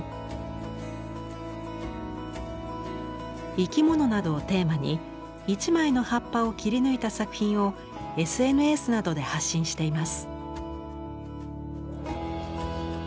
生き物などをテーマに一枚の葉っぱを切り抜いた作品をＳＮＳなどで発信しています。